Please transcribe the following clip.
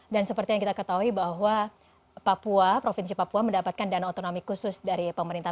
dan seperti yang kita ketahui bahwa papua provinsi papua mendapatkan dana otonomi khusus dari pemerintah